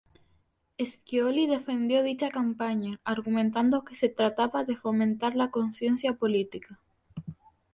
Scioli defendió dicha campaña, argumentando que se trataba de fomentar la conciencia política.